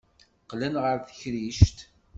Qqlen ɣer tekrict.